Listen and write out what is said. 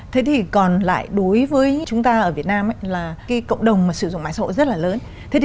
thế thì còn lại đối với chúng ta ở việt nam ấy là cộng đồng xử dụng mạng xã hội rất là lớn